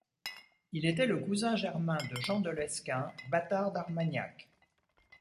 Il était le cousin germain de Jean de Lescun, bâtard d'Armagnac.